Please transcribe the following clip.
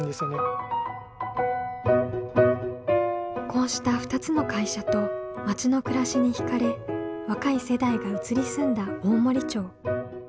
こうした２つの会社と町の暮らしに惹かれ若い世代が移り住んだ大森町。